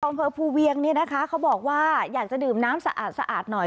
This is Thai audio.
อำเภอภูเวียงเนี่ยนะคะเขาบอกว่าอยากจะดื่มน้ำสะอาดสะอาดหน่อย